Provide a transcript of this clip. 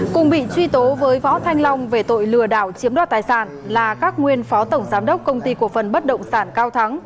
cùng bị truy tố với võ thanh long về tội lừa đảo chiếm đoạt tài sản là các nguyên phó tổng giám đốc công ty cổ phần bất động sản cao thắng